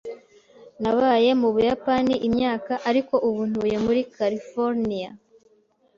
Nabaye mu Buyapani imyaka , ariko ubu ntuye muri California.